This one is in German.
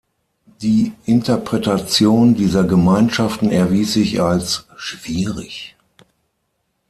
Die Interpretation dieser Gemeinschaften erwies sich als schwierig.